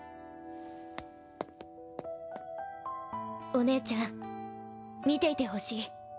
お姉ちゃん見ていてほしい。